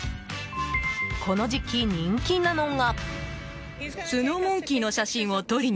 この時期、人気なのが。